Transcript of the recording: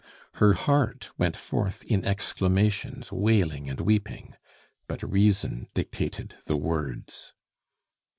Her heart went forth in exclamations, wailing and weeping; but reason dictated the words.